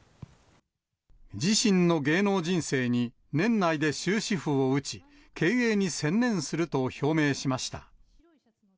自身の芸能人生に年内で終止符を打ち、経営に専念すると表明しました。